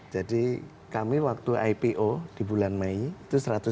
jadi kami waktu ipo di bulan mei itu satu ratus delapan puluh lima